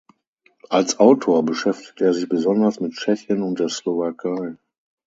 Als Autor beschäftigt er sich besonders mit Tschechien und der Slowakei.